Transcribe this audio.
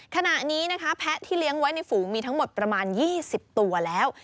ขณะนี้นะคะแพะที่เลี้ยงไว้ในฝูงมีทั้งหมดประมาณ๒๐ตัวแล้ว